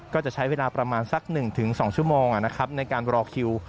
ก็จะใช้เวลาประมาณสัก๑๒ชั่วโมงในการรอคิว